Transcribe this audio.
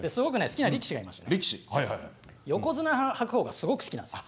横綱白鵬がすごく好きなんですよ。